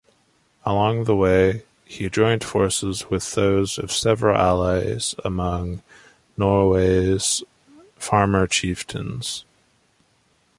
Along the way he joined forces with those of several allies among Norway's farmer-chieftains.